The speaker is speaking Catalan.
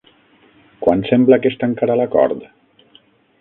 Quan sembla que es tancarà l'acord?